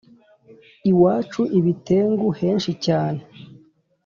Iwuca ibitengu henshi cyane,